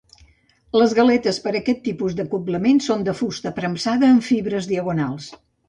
Les galetes per aquest tipus d'acoblament són de fusta premsada amb fibres diagonals.